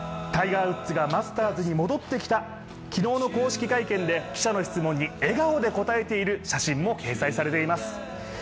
タイガー・ウッズがマスターズに戻ってきた、昨日の公式会見で記者の質問に笑顔で答えている写真も掲載されています。